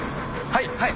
はい。